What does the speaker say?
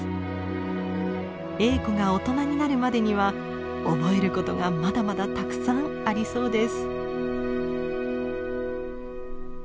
エーコが大人になるまでには覚えることがまだまだたくさんありそうです。